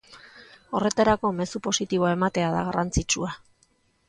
Horretarako, mezu positiboa ematea da garrantzitsua.